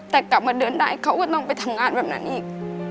แต่กลับมาเดินได้เขาก็ต้องไปทำงานแบบนั้นอีก